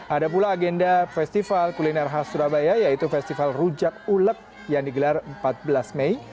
ada pula agenda festival kuliner khas surabaya yaitu festival rujak ulek yang digelar empat belas mei